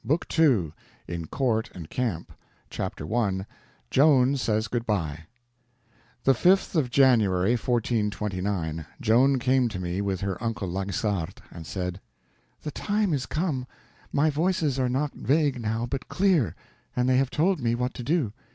BOOK II IN COURT AND CAMP Chapter 1 Joan Says Good By THE 5th of January, 1429, Joan came to me with her uncle Laxart, and said: "The time is come. My Voices are not vague now, but clear, and they have told me what to do.